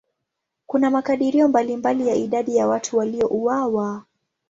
Kuna makadirio mbalimbali ya idadi ya watu waliouawa.